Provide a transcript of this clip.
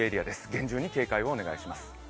厳重に警戒をお願いします。